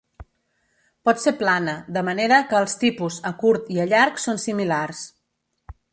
Pot ser plana, de manera que els tipus a curt i a llarg són similars.